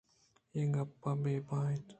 اے گپ بے بہا اَنت